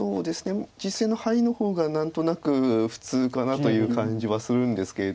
実戦のハイの方が何となく普通かなという感じはするんですけれど